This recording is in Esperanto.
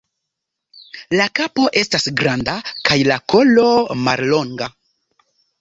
La kapo estas granda kaj la kolo mallonga.